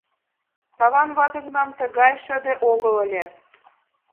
Саван вате тунам тыгай шыде огыл ыле.